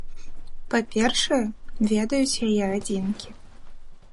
Па-першае, ведаюць яе адзінкі.